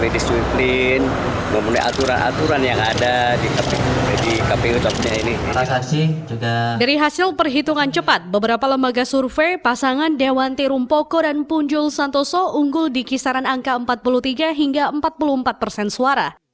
dari hasil perhitungan cepat beberapa lembaga survei pasangan dewanti rumpoko dan punjul santoso unggul di kisaran angka empat puluh tiga hingga empat puluh empat persen suara